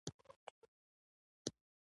سوچ د بریالیتوب لومړی ګام دی.